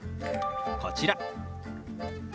こちら。